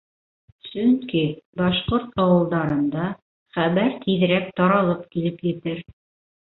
Сөнки башҡорт ауылдарында хәбәр тиҙерәк таралып килеп етер.